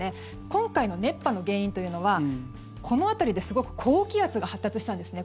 今回の熱波の原因というのはこの辺りで、すごく高気圧が発達したんですね。